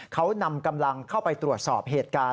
เขานำกำลังเข้าไปตรวจสอบเหตุการณ์